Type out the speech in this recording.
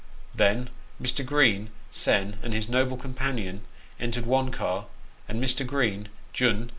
Then Mr. Green, sen., and his noble companion entered one car, and Mr. Green, jun.